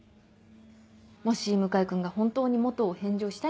もし向井君が本当に「元」を返上したいなら。